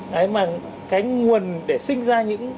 đấy mà cái nguồn để sinh ra những